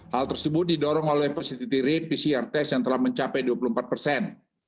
hal tersebut didorong oleh positi rate pcr test yang telah mencapai dua puluh empat persen